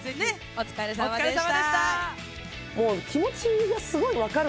お疲れさまでした。